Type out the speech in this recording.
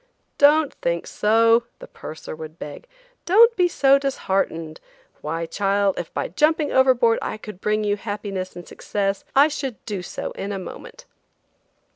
"Don't think so," the purser would beg; "don't be so disheartened; why, child, if by jumping overboard I could bring you happiness and success, I should do so in a moment."